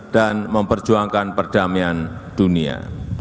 memperjuangkan perdamaian dunia